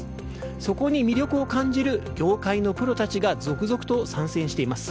そこに魅力を感じる業界のプロたちが続々と参戦しています。